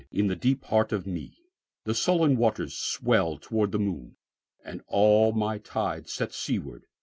In the deep heart of meThe sullen waters swell towards the moon, And all my tides set seaward.